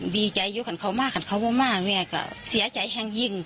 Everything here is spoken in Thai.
ดีใจอยู่กับเขามากกับเขามากแม่ก็เสียใจแห่งยิ่ง